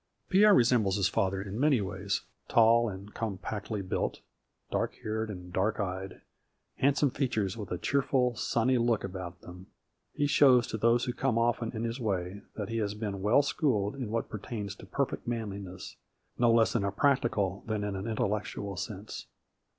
Pierre resembles his father in many ways. Tall and compactly built, dark haired and dark eyed, handsome features with a cheer ful, sunny look about them, he shows to those who come often in his way that he has been well schooled in what pertains to perfect manli ness, no less in a practical than in an intellect ual sense.